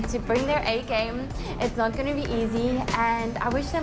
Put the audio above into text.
ฉันจะบอกให้พวกมันให้การทำอีกเกม